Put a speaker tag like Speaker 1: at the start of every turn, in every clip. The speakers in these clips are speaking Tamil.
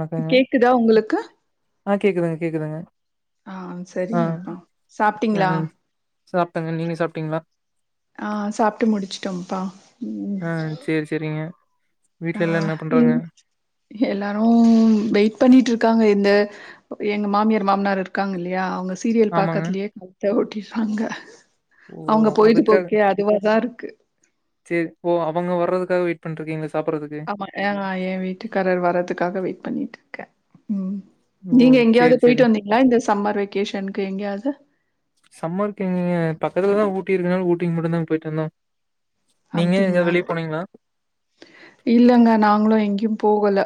Speaker 1: வணக்கங்க
Speaker 2: கேக்குதா உங்களுக்கு
Speaker 1: ஆ கேக்குதுங்க கேக்குதுங்க
Speaker 2: ஆ
Speaker 1: ஆஹ்
Speaker 2: சரிங்கப்பா சாப்ட்டீங்களா
Speaker 1: உஹ்ம் சாப்ட்டேங்க நீங்க சாப்ட்டீங்களா
Speaker 2: ஆஹ் சாப்ட்டு முடிச்சுட்டோம்ப்பா
Speaker 1: ஆஹ் செரி செரிங்க
Speaker 2: அஹ் எ எல்லாரு வெயிட் பண்ணிட்டு இருக்காங்க இந்த எங்க மாமியார் மாமனார் இருக்காங்க இல்லையா அவங்க சீரியல்
Speaker 1: ஆமாங்க
Speaker 2: பாக்கதுலயே கால த்த ஓட்டிர்றாங்க
Speaker 1: ஓ
Speaker 2: அவங்க பொழுது போக்கே அதுவாதான் இரு க்கு
Speaker 1: செரி ஓ அவங்க வர்றதுக்காக வெயிட் பண்ணிட்ருக்கீங்களா
Speaker 2: ஆமா ஏ ஏன் வீட்டுக்காரர் வர்றதுக்காக வெயிட் பண்ணிட்டு இருக்கேன் உம்
Speaker 1: ஓ
Speaker 2: நீங்க
Speaker 1: சேரி
Speaker 2: எங்கேயாவது
Speaker 1: சேரி
Speaker 2: போயிட்டு வந்தீங்களா இந்த சம்மர் வெக்கேஷனுக்கு எங்கயாவது
Speaker 1: ட்டி இருக்கனால ஊட்டிக்கு மட்டும்தான் போயிட்டு வந்தொ
Speaker 2: அப்படிங்களா இல்லங்க நாங்களும் எங்கேயும் போகல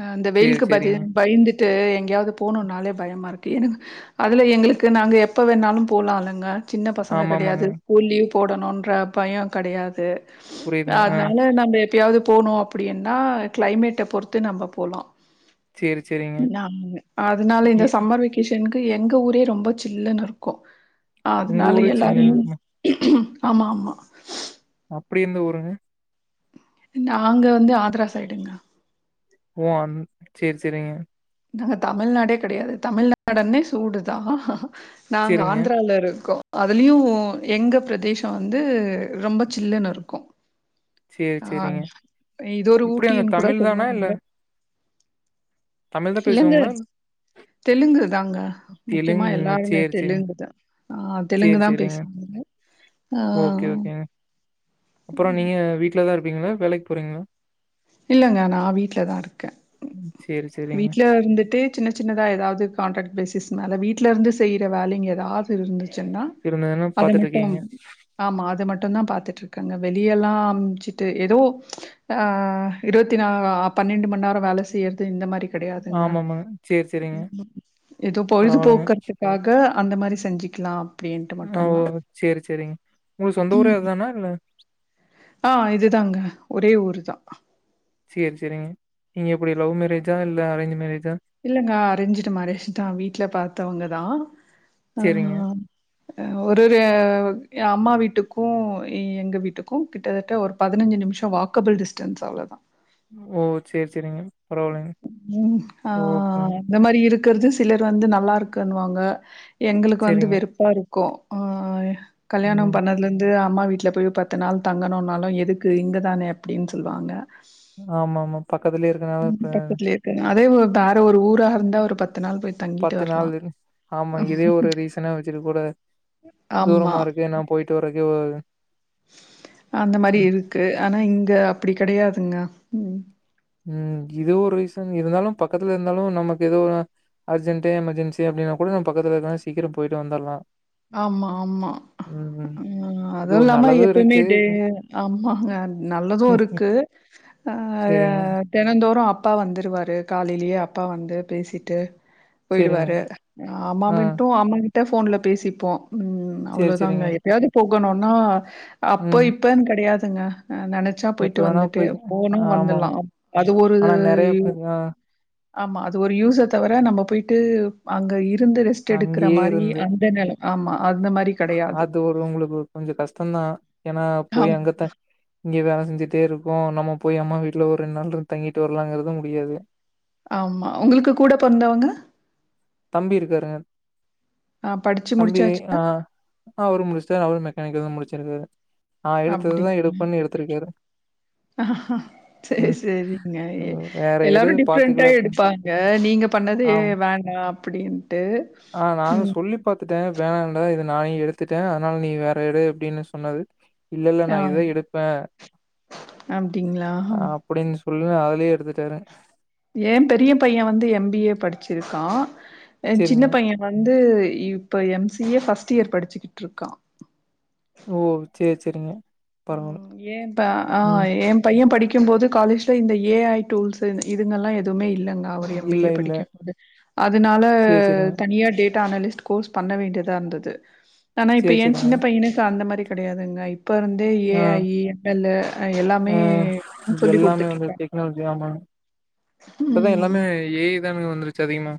Speaker 2: ஆ இந்த
Speaker 1: சேரி
Speaker 2: வெயிலுக்கு பதி
Speaker 1: சேரிங்க
Speaker 2: பயிந்துட்டு எங்கயாவது போகணும்னாலே பயமா இருக்கு எனக் அதுல எங்களுக்கு நாங்க எப்போ வேணாலும் போலாம்லங்க சின்ன பசங்க
Speaker 1: ஆமா ஆமாங்க
Speaker 2: கிடையாது போலியும் போடணுன்ற பயம் கெடையா து
Speaker 1: புரியுதுங்க ஆ
Speaker 2: அதனால நம்ம எப்பயாவது போனோ அப்படின்னா கிளைமேட்டை பொறுத்து நம்ம போலா
Speaker 1: சேரி சேரிங்க
Speaker 2: நான் அதனால
Speaker 1: எ
Speaker 2: இந்த சம்மர் வெக்கேஷன்க்கு எங்க ஊரே ரொம்ப சில்லுன்னு இருக்கும்
Speaker 1: உங்க
Speaker 2: அதனால
Speaker 1: ஊரு சில்லுனு
Speaker 2: எல்லாரையும்
Speaker 1: இருக்குமா
Speaker 2: ஆமா ஆமா
Speaker 1: அப்படி எந்த ஊருங்க
Speaker 2: நாங்க வந்து ஆத்ரா சைடுங்க
Speaker 1: ஓ அந் சேரி சேரிங்க
Speaker 2: நாங்க தமிழ்நாடே கிடையாது தமிழ்நாடனே சூடுதான் நாங்க
Speaker 1: சேரிங்க
Speaker 2: ஆந்திரால இருக்கோம் அதுலயு எங்க பிரதேசம் வந்து ரொம்ப சில்லுன்னு இருக்கும்
Speaker 1: சேரி
Speaker 2: ஆ
Speaker 1: சேரிங்க
Speaker 2: இது ஒரு
Speaker 1: இப்படி அங்க
Speaker 2: ஊட்டின் கூட
Speaker 1: தமிழ் தானா இல்ல
Speaker 2: சொல்லுவாங்க
Speaker 1: தமிழ் தான்
Speaker 2: இல்லங்க
Speaker 1: பேசுவாங்களா
Speaker 2: தெலுங்குதாங்க முக்கியமா
Speaker 1: தெலுங்குங்களா
Speaker 2: எல்லாருமே
Speaker 1: சேரி சேரிங்க.
Speaker 2: தெலுங்கு தா ஆ தெலுங்கு
Speaker 1: சேரி
Speaker 2: தா
Speaker 1: சேரிங்க.
Speaker 2: பேசுவாங்க ஆ
Speaker 1: அப்றோ நீங்க வீட்லதா இருப் பீங்ளா வேலைக்கு போறீங்ளா
Speaker 2: இல்லங்க நா வீட்லதா இருக்கே
Speaker 1: சேரி சேரிங்க.
Speaker 2: வீட்ல இருந்துட்டு சின்ன சின்னதா ஏதாவ்து கான்ட்ராக்ட் பேஸ் மேல வீட்லருந்து செய்ற வேலைங்க ஏதாவ்து இருந்து சுன்னா
Speaker 1: இருந்ததுன்னா
Speaker 2: அத
Speaker 1: பாத்துட்டு
Speaker 2: மட்டூ
Speaker 1: இருக்கீங்க.
Speaker 2: ஆமா அத மட்டுந்தா பாத்துட் ட்ருக்கேங்க வெளியெல்லா அம்ச்சுட்டு எதோ ஆ இருவத்தி நாலா பன்னெண்டு மண் நேரோ வேல செய்றது இந்த மார் ரி கெடையாதுங்க
Speaker 1: ஆமாமாங்க. சேரி சேரிங்க.
Speaker 2: எதோ
Speaker 1: பரவால்லங்க.
Speaker 2: பொழுதுபோக்கறதுக்காக அந்த மாரி செஞ்சுக்லா
Speaker 1: ஓ சேரி சேரிங் ஒங்க சொந்த ஊரே
Speaker 2: ம்
Speaker 1: அதானா இல்ல
Speaker 2: ஆ இதுதாங்க ஒரே ஊரு தா
Speaker 1: சேர் செரிங்க நீங்க எப்டி லவ் மேரேஜா இல்ல அரேஞ்ச் மேரேஜ்
Speaker 2: இல்லங்க அரஞ்சிடு மேரேஜ் தா வீட்ல பாத்தவுங்கதா
Speaker 1: சேரிங்க.
Speaker 2: ஆஹாம் ஒருரு ஏ அம்மா வீட்டுக்கூ எங்க வீட்டுக்கூ கிட்டத்தட்ட ஒரு பதினஞ்சு நிம்ஷோ வாக்கபிள் டிஸ்டன்ஸ் அவ்ளோதா
Speaker 1: ஓ சேர் செரிங்க
Speaker 2: ம் ஆ இந்த மாரி இருக் க்றது சிலர் வந்து நல்லாருக்குன்னுவாங்க எங்ளுக்கு வந்து
Speaker 1: சேரிங்க.
Speaker 2: வெறுப்பாருக் கோ ஆ கல்யாணோ
Speaker 1: ம்.
Speaker 2: பண்ணதுலேந்து அம்மா வீட்ல போய் பத்து நாள் தங்கணூனாலூ எதுக்கு இங்கதானே அப்டின்னு சொல்வாங்க
Speaker 1: ஆமாமா பக்கத்துலேருக் க்றனால பேன்
Speaker 2: பக்கத்துலயே இருக்கு அதே ஊர்தா ஆர ஒரு ஊராருந்தா ஒரு பத்
Speaker 1: பத்து நாளு ஆமா இதே ஒரு ரீசனா வச்சுட்டு கூட
Speaker 2: ஆமா
Speaker 1: தூரமாருக்கு நா போயிட்டு வரே யோ அவ
Speaker 2: அந்த மாரி இருக்கு ஆனா இங்க அப்டி கெடையாதுங்க ம்
Speaker 1: ம் இது ஒரு ரீசன் இருந்தாலு பக்கத்துல இருந்தாலு நமக்கு ஏதோ அர்ஜென்ட்டு எமர்ஜென்சி அப்டினா கூட நம்ப பக்கத்துல இருந்தா சீக்கரோ போயிட்டு வந்தர்லா
Speaker 2: ஆமா ஆமா உம்
Speaker 1: இது
Speaker 2: அது
Speaker 1: ஒரு
Speaker 2: இல்லாம
Speaker 1: நல்லது
Speaker 2: எப்பைமே
Speaker 1: இருக்கு
Speaker 2: டேய்லியு ஆமாங்க நல்லது இருக்கு
Speaker 1: சேரிங்க
Speaker 2: ஆஹ் தெனந்தோறு அப்பா வந்துருவாரு காலைலயே அப்பா வந்து பேசிட்டு
Speaker 1: சேரிங்க
Speaker 2: போயிடுவாரு அஹ் அம்மா
Speaker 1: ஆ
Speaker 2: மட்டு அம்மாகிட் டே ஃபோன்ல பேசி ப்போ உம்
Speaker 1: சேரி
Speaker 2: அவ்ளோதாங்க
Speaker 1: சேரிங்க
Speaker 2: எப்பயாது போக் போனோனா அப்போ
Speaker 1: ம்
Speaker 2: இப்போன் கெடையாது இங்க அஹ் நெனைச்சா
Speaker 1: எப்ப
Speaker 2: போயிட்டு
Speaker 1: வேணா
Speaker 2: வந்துட்டு
Speaker 1: போய்க்க
Speaker 2: போனு
Speaker 1: ஆமா
Speaker 2: வந்துர்லா
Speaker 1: ஆமா
Speaker 2: அப் அது ஒரு
Speaker 1: ஆனா நெறைய பேர் ஆ
Speaker 2: ஆமா அது ஒரு யூஸே தவர நம்ம போயிட்டு அங்க இர் ருந்து ரெஸ்ட் எடுக்குற
Speaker 1: அங்கேயே
Speaker 2: மாரி
Speaker 1: இருந்து
Speaker 2: அனுபவோ ஆமா அந்த மாரி கெடையாது.
Speaker 1: அது ஒரு உங்களுக்கு கொஞ்ச கஷ்டந்தா ஏனா போய்
Speaker 2: ஆம்
Speaker 1: அங்கத்தா இங்க வேல செஞ்சிட்டே இருக்கோ நம்ம போய் அம்மா வீட்ல ஒரு ரெண்டு நாள் இருந்து தங்கிட்டு வரலாங்கிறது முடியாது
Speaker 2: ஆமா உங்களுக்கு கூட பிறந்தவ்ங்க
Speaker 1: தம்பி இருக்காருங்க
Speaker 2: ஆ படிச்சு
Speaker 1: தம்பி
Speaker 2: முடிச்சாச்சா?
Speaker 1: ஆஹ் அவரு முடிச்ட்டு அவரு மெக் கானிக்கல் தா முடிச்சுருக்காரு ஆஹ் எடுத்ததுதா எடுபென் எடுத்திருக்காரு
Speaker 2: சேரி
Speaker 1: ம்
Speaker 2: சேரிங்க
Speaker 1: வேற எடு
Speaker 2: எல்லாரு டிஃப்ரெண்டா
Speaker 1: பாத்துக்கலா அப்டின்னு
Speaker 2: எடுப்பாங்க நீங்க பண்ணது
Speaker 1: ஆம்
Speaker 2: வேண்டா அப்டின்ட்டு உம்
Speaker 1: சொல்லி பாத்துட்டே ஒனக்கு வேணாடா இத நானு எடுத்துட்டே அதனால நீ வேற எடு அப்டின்னு சொன்னாலு இல்ல இல்ல நா
Speaker 2: ஆ
Speaker 1: இதா எடுப்பே
Speaker 2: அப்டிங்களா?
Speaker 1: அப்டின்னு சொ சொல்லியு அதுலே எடுத்துட்டாங்க
Speaker 2: எ பெரிய பைய வந்து எம் பி ஏ படிச்சிருக்கா எ சின்ன
Speaker 1: சேரிங்க
Speaker 2: பைய வந்து இப்ப M C C A first year படிச்சுக்கிட்ருக்கா
Speaker 1: ஓ சேர் சேரிங்க பரவால்ல
Speaker 2: உம் எ ப ஆஹ்
Speaker 1: ம்
Speaker 2: எ பைய படிக்கும் க்கும் போது காலேஜ்ல இந்த ஏ ஐ டூல்ஸ் இதுங்கலா எதுவுமே இல்ல இல்லங்க அவர் எம் பி
Speaker 1: இல்ல
Speaker 2: ஏ
Speaker 1: இல்ல
Speaker 2: படிக்கும்போது அதனால
Speaker 1: சேரி சேரிங்க
Speaker 2: தனியா டேட் டா அனலிஸ்ட் கோர்ஸ் பண்ண வேண்டியதா இருந்தது ஆனா இப்ப
Speaker 1: சேரி
Speaker 2: எ
Speaker 1: சேரிங்க
Speaker 2: சின்ன பையனுக்கு அந்த மாரி கெடையாதுங்க இப்ப இருந்து ஏ
Speaker 1: ஆ
Speaker 2: ஐ எம் எல் ஏ எல்லாமே
Speaker 1: ஆ
Speaker 2: சொல்லி் கொடுத்துட்டு இருகன்
Speaker 1: இப்பதான் எல்லாமே ஏ ஐ வந்துருச்சு அதிகமா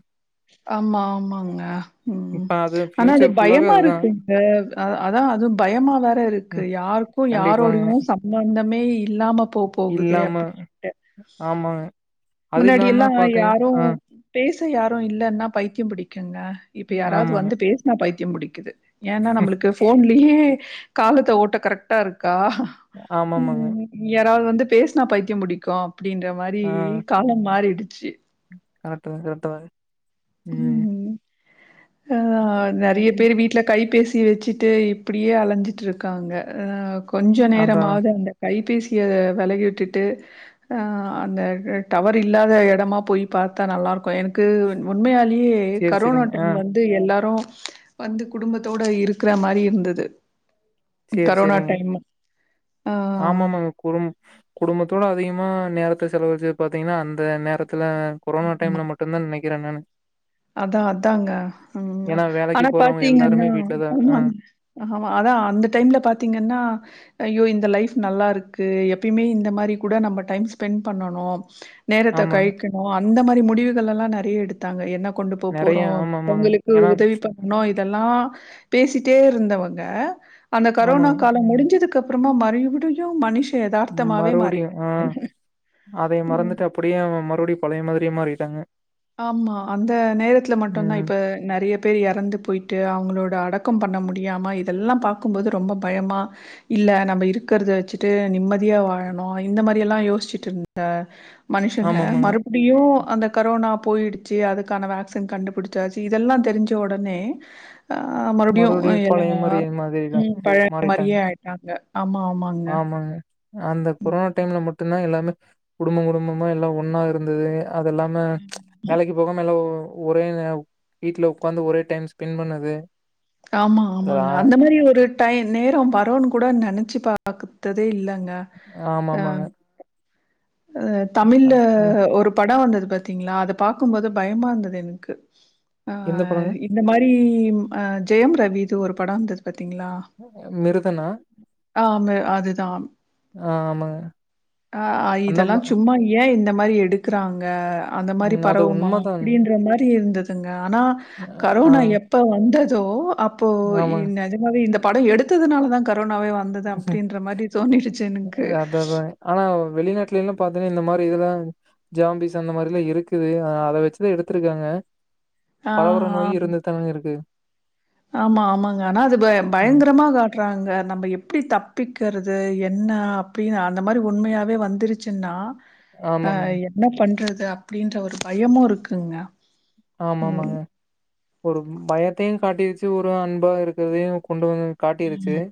Speaker 2: ஆமா ஆமாங்க உம்
Speaker 1: இப்ப அது
Speaker 2: ஆனா அது
Speaker 1: ஃபியூச்சர் ஃபுல்லாவே
Speaker 2: பயமா
Speaker 1: அதுதா
Speaker 2: இருக்குங்க அதான் அதுவும் பயமா வேற இருக்கு
Speaker 1: ம்
Speaker 2: யாருக்கும்
Speaker 1: கண்டிப்பாங்க
Speaker 2: யாரோடையும் சம்பந்தமே இல்லாம போ போகுதே
Speaker 1: இல்லாம ஆமாங்க அது இல்லாம
Speaker 2: முன்னாடியெல்லாம்
Speaker 1: பாத்தீங்க
Speaker 2: யாரும்
Speaker 1: ஆ
Speaker 2: பே பேச யாரும் இல்லலைன்னா பைத்தியம் பிடிக்குங்க இப்ப யாராவது
Speaker 1: ஆமாங்க.
Speaker 2: வந்து பேசுனா பய த்தியம் முடிக்குது ஏன்னா நம்மளுக்கு ஃபோன்லயே காலத்த ஓட்ட கரெக்டா இருக்கு தா
Speaker 1: ஆமாமாங்க.
Speaker 2: உம் யாராவது வந்து பேசுனா பைத்தியம் முடிக்கும் அப்படின்ற மாரி மாறிடுச்சு
Speaker 1: கரெக்டு தான் கரெக்டு தான் உம்
Speaker 2: ஆஹ நிறைய பேர் வீட்டுல கை பேசி சி வச்சுட்டு இப்படியே அலைஞ்சிட்டுருக்காங்க ஆஹ் கொஞ்ச
Speaker 1: அதான்.
Speaker 2: நேரமாவது அந்த கைபேசி ய விலகி விட்டுட்டு அந்த டவர் இல்லாத இடமா போய் பார்த்தா நல்லா இருக்கும் எனக்கு உண்மையா மே
Speaker 1: சரி,
Speaker 2: கரோனா
Speaker 1: சரிங்க. ஆ
Speaker 2: டைம் வந்து எல்லாரும் வந்து குடும்பத்தோட இருக்குற மாதிரி இருந்தது
Speaker 1: செரி
Speaker 2: கரோனா
Speaker 1: செரிங்க
Speaker 2: டைம். ஆ
Speaker 1: ஆமாமாங்க குடும் குடும்பத்தோட அதிகமா நேரத்தை செலவழச்சது பாத்தீங்கா அந்த நேர த்துல கொரோனா
Speaker 2: ஆமா.
Speaker 1: டைம்ல மட்டும் தான் நனைக் கிறன் நானு
Speaker 2: அதான் அதாங்க உஹ
Speaker 1: ஏன்னா வேலைக்கு
Speaker 2: ஆனா
Speaker 1: போறவங்க
Speaker 2: பாத்தீங்கன்னா
Speaker 1: எல்லாருமே வீட்ல தான் ஆ
Speaker 2: ஆமாங்க ஆமா அதான் அந்து டைம்ல பாத்தீங்கன்னா ஐயோ இந்த லைஃப் நல்லா இருக்கு எப்பயுமே இந்த மாரி கூட நம்ம டைம் ஸ்பென்ட் பண்ணனும் நேரத்தை
Speaker 1: ஆமாங்க.
Speaker 2: கழிக்கணும் அந்த மாரி முடிவுகள் எல்லாம் நிறைய எடுத்தாங்க என்ன கொண்டு போ
Speaker 1: நெறைய
Speaker 2: போறோம்
Speaker 1: ஆமாமாங்க.
Speaker 2: அவங்களுக்கு
Speaker 1: ஏன்னா
Speaker 2: உதவி பண்ணணும் யெல்லாம் பேசிட்டே இருந்தவங்க அந்த கரோனா
Speaker 1: ஆமாங்க.
Speaker 2: காலம் முடிஞ்சதுக்கு அப்றமா மறுய்பிடியு மனுஷ்
Speaker 1: மறுவ்டியு ஆஹ் அதை மறந்துட்டு அப்டியே ம றுடியு பழைய மாத்ரியே மாறிட்டாங்க
Speaker 2: ஆமா அந்த நேரத்ல மட்டுந்தா
Speaker 1: ம்.
Speaker 2: இப்ப நெறைய பேர் எறந்து பொயிட்டு அவங்களோட அடக் கொ பண்ண முடியாம இதெல்லா பார்க்கும்போது ரொம்ப பயமா இல்ல நம்ம இருக்றத வச்சிட்டு நிம்மதியா வாழணு இந்த மாரியெல்லா யோசிச்சுட்டு இருந்த மனுஷங்க
Speaker 1: ஆமாமாங்க.
Speaker 2: மறுப்டியு அந்த கரோனா போயிடுச்சி அதுக்கான வேக்சின் கண்டுபிடிச்சாச்சி இதெல்லா தெரிஞ்ச உடனே ஆஹ் மறுப்டியு
Speaker 1: மறுபடியு
Speaker 2: எல்லா
Speaker 1: பழைய மாரி மாதிரிதா
Speaker 2: உம் பழைய
Speaker 1: மாறிட்டாங்க
Speaker 2: மாரியே ஆயிட்டாங்க
Speaker 1: ஆமாங்க அந்த கொரோனா டைம்ல மட்டுந்தா எல்லாமே குடும்பொ குடும்பமா எல்லா ஒன்னா இருந்தது அதெல்லாமே
Speaker 2: ம்.
Speaker 1: வேலைக்கு போகாம எல்லா ஒ ஒரே நேவ் வீட்ல உக்காந்து ஒரே டைம் ஸ்பின் பண்ணது
Speaker 2: ஆமா
Speaker 1: அதா
Speaker 2: ஆமாங்க அந்த மாரி ஒரு டை நேரொம் வருனு கூட நெனச்சு பாக்ததே இல்ல க
Speaker 1: ஆமா ஆமாங்க
Speaker 2: அஹ் அ தமிழ்ல
Speaker 1: கரெக்ட்டுங்க
Speaker 2: ஒரு படொ வந்தது பாத்திங்ளா அத பாக்கும்போது பயமா இருந்தது எனக்கு
Speaker 1: எந்த படங்க
Speaker 2: ஆஹ் இந்த மாரி இம் அ ஜெயம் ரவிது ஒரு படொ வந்தது பார்த்தீங்களா?
Speaker 1: மிருதனா
Speaker 2: ஆமே அதுதா
Speaker 1: ஆ ஆமாங்க
Speaker 2: ஆஹ் இதெல்லா
Speaker 1: அந்தம்மா
Speaker 2: சும்மா ஏ இந்த மாரி எடுக்குறாங் க அந்த மாரி
Speaker 1: ம் அது
Speaker 2: பரவுமா
Speaker 1: உண்மதாங்க
Speaker 2: அப்டின்ற மாரி இருந்தது ஆ ஆனா
Speaker 1: ஆ
Speaker 2: கரோனா எப்ப வந்தது தோ அப் போ இ
Speaker 1: ஆமாங்க
Speaker 2: நெஜமாவே இந்த படொ எடுத்ததுனால தா க ரோனாவே வந்தது அப்டின்ற மாரி தோணிடுச்சு எனக்கு
Speaker 1: வெளிநாட்லைலா பாத்தெனா இந்த மாரி இதெல்லா ஜாம்பீஸ் அந்த மாரில்லா இருக்குது ஆ அத வச்சுதா எடுத்ருக்காங்க பரவுர நோயி
Speaker 2: ஆ.
Speaker 1: இருந்துதானேங்க இருக்கு
Speaker 2: ஆமா ஆமாங்க ஆனா அது ப
Speaker 1: ஆ
Speaker 2: பயங்கரமா காட்டுறாங்க நம்ம எப் ப்டி தப்பிக்கறது என்ன அப்டின்னு அந்த மாரி உண்மையாவே வந்திறிச்சின்னா ஆஹ்
Speaker 1: ஆமாமாங்க.
Speaker 2: என்ன பண்றது அப்டின்ற ஒரு பயமு இருக்குங்க
Speaker 1: ஆமாமாங்க
Speaker 2: ம்.
Speaker 1: ஒரு பயத்தையு காட்டிருச்சு ஒரு அன்பா இருக்குறதையு கொண்டு வந்து காட்டிருச்சு
Speaker 2: ம்.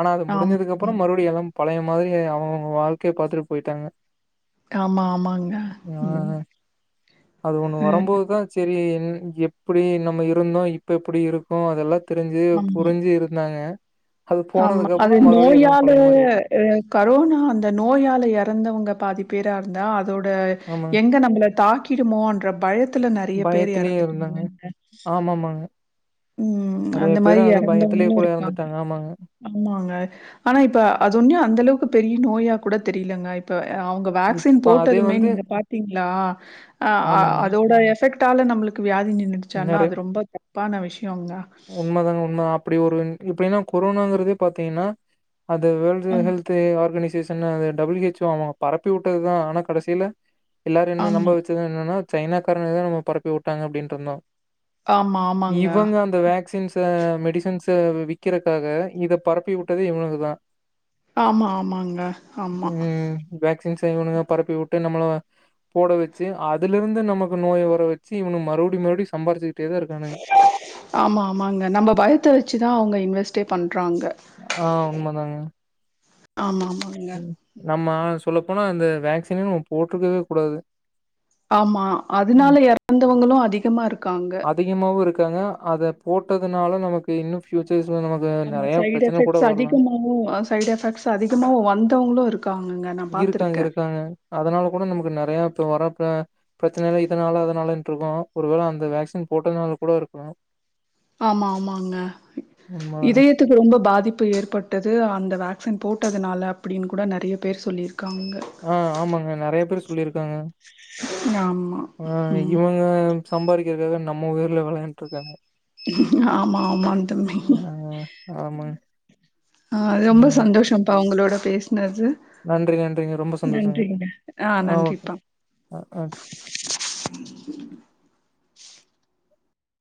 Speaker 1: ஆனா அது
Speaker 2: ஆம்.
Speaker 1: முடிஞ்சதுக்கப்றோ
Speaker 2: ம்.
Speaker 1: மறுபடி எல்லா பழைய மாதிரி அவுங்கவுங்க வாழ்க்கைய பாத்துட்டு போயிட்டாங்க
Speaker 2: ஆமா ஆமாங்க
Speaker 1: ஆ
Speaker 2: உம் ஆ
Speaker 1: டின் எப்புடி நம்ம இருந்தோ இப்ப எப்புடி இருக்கோ அதெல்லா தெருஞ்சு
Speaker 2: ஆமா,
Speaker 1: புருஞ்சு இருந்தாங்க அது
Speaker 2: ஆமா அது
Speaker 1: போனதுக்கப்புறம் மறுபடியும் எல்லாம்
Speaker 2: நோயால
Speaker 1: பழைய மாரி ஆயிட்டு
Speaker 2: அ கரோனா அந்த நோயால எறந்தவுங்க பாதி பேராந்தா அ தோட
Speaker 1: ஆமாங்க.
Speaker 2: எங்க நம்மள தாக் கிடுமோன்ற பயத் த்துல நெறைய பேர்
Speaker 1: பயத்திலயும் இருந்தாங்க.
Speaker 2: எறந்துட்டாங்கல்லங்க
Speaker 1: ஆமாமாங்க.
Speaker 2: உம்
Speaker 1: நெறைய
Speaker 2: அந்த
Speaker 1: பேரு
Speaker 2: மாரி
Speaker 1: அது பயத்திலயே
Speaker 2: எறந்தவங்ளு
Speaker 1: கூட
Speaker 2: இருப்பாங்க
Speaker 1: இறந்துட்டாங்க. ஆமாங்க.
Speaker 2: ஆமாங்க ஆனா இப்ப அது ஒன்யொ அந்த அளவுக்கு பெரிய நோயா கூட தெரிலங்க இப்ப அவுங்க வேக்சின்
Speaker 1: இப்ப அதே
Speaker 2: போட்டதுமே
Speaker 1: வந்து
Speaker 2: நீங்க பாத்தீங்ளா அ அதோட எஃபெக்ட் டால நம்ளுக்கு வியாதிங்க
Speaker 1: நெறை உண்மதாங்க உண்ம தா அப்டி ஒரு இப்பன்னா கொரோனாங்கறதே பாத்தீங்னா அது வேர்ல்டு
Speaker 2: அ
Speaker 1: ஹெல்த்து ஆர்கனிஸ் ஷேஸன் அது டபிள்யூ ஹெச் ஓ அவங்பரப்பி உட்டதுதா ஆனா கடைசில எல்லாரு ‌என்னனு
Speaker 2: ஆமா.
Speaker 1: நம்ப வச்சது என்னனா சைனக்காரனேதா நமக் பரப்பிவுட்டாங்க அப்டின்ருந்தோ
Speaker 2: ஆமா, ஆமாங்க.
Speaker 1: இவுங்க அந்த வேக்சின்ஸ் ஸ மெடிசன்ஸ விக்கிறத்க்காக இத பரப்பி உட்டதே இவனுங்க தா
Speaker 2: ஆமா ஆமாங்க ஆமா
Speaker 1: சின்ஸ இவனுங்க பரப்பிவுட்டு நம்ள போட வெச்சு அதுலருந்து நமக்கு நோய‌ வரவச்சி இவனு மறுபடி மறுபடியு சம்பாருச்சு
Speaker 2: ஆமா ஆமாங்க நம்ம பயத்த வெச்சுதா அவுங்க இன்வெஸ் டே பண்
Speaker 1: ஆ உண்ம தாங்க
Speaker 2: ஆமா, ஆமாங்க.
Speaker 1: உம் நம்மாச் சொல்லப்போனா அந்த வேக்சினே நம்ம போட்ருக்கவே கூடாது
Speaker 2: ஆமா
Speaker 1: ம்.
Speaker 2: அதுனால எறந்தவுங்களு அதி கமாரு
Speaker 1: அதிகமாவு இருக் க்காங்க அத போட்டதுனால நமக்கு இன்னு ஃபியூச்சர்ஸ்
Speaker 2: ஆமா சைட் எஃபெக்ட்ஸ் அதிகமாவு சைட் எஃபெக்ட்ஸ் அதிகமாவு வந்தவங்களு இருக்கா
Speaker 1: இருக்காங்க இருக்காங்க அதனால கூட நமக்கு நெறயா போ வரப்ப பிரச்சனலா இதனால அதனாலன்ட்ருக்கு ஒருவேள அந்த வேக்சின் போட்டதுனால கூட இருக்கு
Speaker 2: ஆமா ஆமாங்க
Speaker 1: உண்மதாங்க.
Speaker 2: இதயத்துக்கு ரொம்ப பாதிப்பு ஏற்பட்டது அந்த வே சின் போட்டதுனால அப்டின்னு கூட நெறயா பேரு சொல்லிரு
Speaker 1: ஆஹ் ஆமாங்க நெறய பேரு ச் சொல்லிருக்காங்க
Speaker 2: ஆமா.
Speaker 1: அ
Speaker 2: ம்.
Speaker 1: இவங்க சம்பாரிக்காக நம்ம உயிர்ல வெளயான்ட்ருக்காங்க
Speaker 2: ஆமா ஆமா தம்பி
Speaker 1: ஆ ஆமாங்க.
Speaker 2: அ ரொம்ப
Speaker 1: ம்.
Speaker 2: சந்தோஷம்ப்பா உங்களோட பேச் ந து
Speaker 1: நன்றி, நன்றிங்க. ரொம்ப சந்தோஷங்க.
Speaker 2: நன்றிங்க அ
Speaker 1: ஆ ஓகே.
Speaker 2: நன்றிப்பா
Speaker 1: அ ஆ.